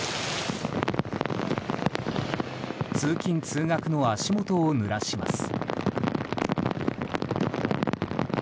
通勤・通学の足元をぬらします。